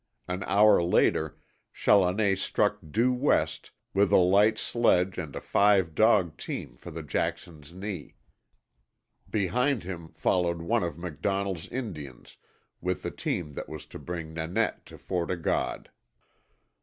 An hour later Challoner struck due west with a light sledge and a five dog team for the Jackson's Knee. Behind him followed one of MacDonnell's Indians with the team that was to bring Nanette to Fort O' God.